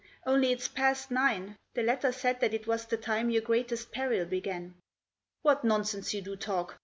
Only it's past nine. The letter said that it was the time your greatest peril began." " What nonsense you do talk